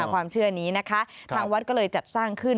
ความเชื่อนี้นะคะทางวัดก็เลยจัดสร้างขึ้น